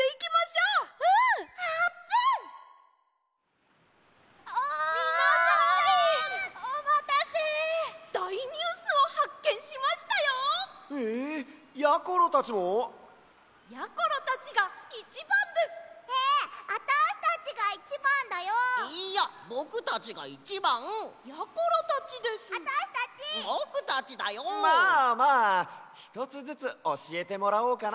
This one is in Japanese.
まあまあひとつずつおしえてもらおうかな！